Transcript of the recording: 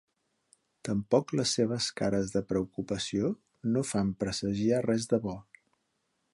Tampoc les seves cares de preocupació no fan presagiar res de bo.